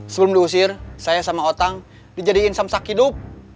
sebelum diusir saya sama otak dijadikan samsak hidup